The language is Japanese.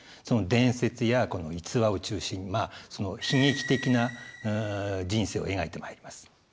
その伝説や逸話を中心にその悲劇的な人生を描いてまいります。